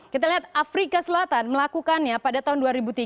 kita lihat afrika selatan melakukannya pada tahun dua ribu tiga